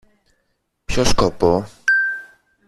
Ποιο σκοπό;